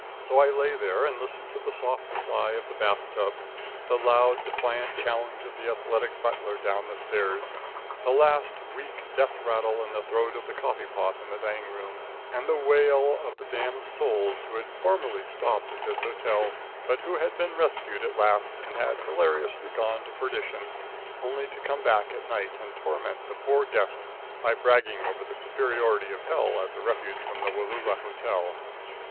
So I lay there and listened to the soft sigh of the bath tub, the loud, defiant challenge of the athletic butler down stairs, the last weak death rattle in the throat of the coffee pot in the dining room, and the wail of the damned souls who had formerly stopped at this hotel, but who had been rescued at last, and had hilariously gone to perdition, only to come back at night and torment the poor guest by bragging over the superiority of hell as a refuge from the Wallula hotel.